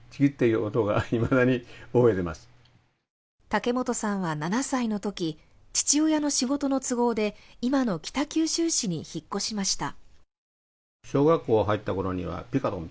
竹本さんは７歳のとき、父親の仕事の都合で今の北九州市に引っ越しました。